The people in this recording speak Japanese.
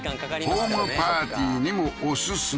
ホームパーティーにもオススメ